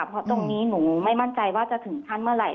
เพราะตรงนี้หนูไม่มั่นใจว่าจะถึงขั้นเมื่อไหร่